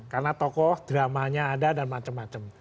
karena tokoh dramanya ada dan macam macam